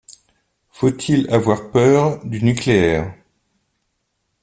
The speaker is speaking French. Faut-il avoir peur du nucléaire?